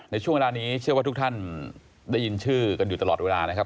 ในช่วงเวลานี้เชื่อว่าทุกท่านได้ยินชื่อกันอยู่ตลอดเวลานะครับ